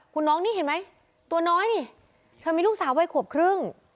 คุณน้องนี่เห็นไหมตัวน้อยนี่เธอมีลูกสาววัยขวบครึ่ง